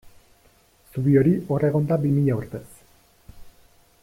Zubi hori hor egon da bi mila urtez.